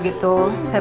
terima kasih pak